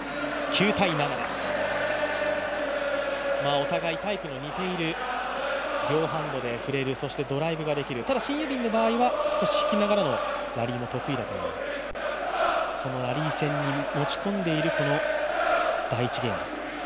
お互い、タイプの似ている、両ハンドで振れる、そしてドライブができるただシン・ユビンの場合は少し引きながらのラリーも得意だという、そのラリー戦に持ち込んでいる第１ゲーム。